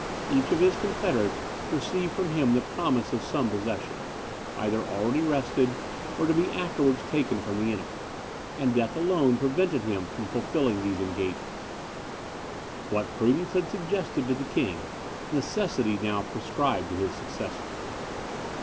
Each of his confederates received from him the promise of some possession, either already wrested, or to be afterwards taken from the enemy; and death alone prevented him from fulfilling these engagements. What prudence had suggested to the king, necessity now prescribed to his successor.